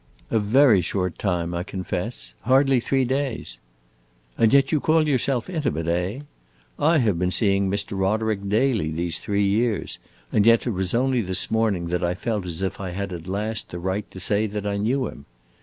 "A very short time, I confess. Hardly three days." "And yet you call yourself intimate, eh? I have been seeing Mr. Roderick daily these three years, and yet it was only this morning that I felt as if I had at last the right to say that I knew him.